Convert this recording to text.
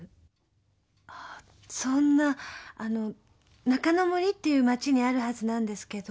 あそんなあの中之森っていう町にあるはずなんですけど。